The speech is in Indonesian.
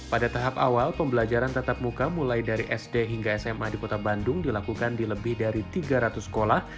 pada tahap awal pembelajaran tetap muka mulai dari sd hingga sma di kota bandung dilakukan di lebih dari tiga ratus sekolah